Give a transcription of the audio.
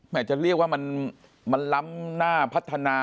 จะเรียกว่ามันล้ำหน้าพัฒนา